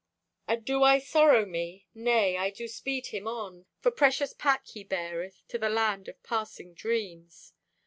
And do I sorrow me? Nay, I do speed him on, For precious pack he beareth To the land of passing dreams.